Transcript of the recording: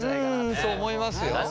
うんそう思いますよ。